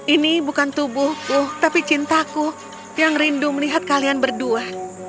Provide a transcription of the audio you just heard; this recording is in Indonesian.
ini bukan tubuhku tapi cintaku yang rindu melihat kalian berdua